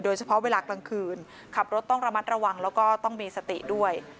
เวลากลางคืนขับรถต้องระมัดระวังแล้วก็ต้องมีสติด้วย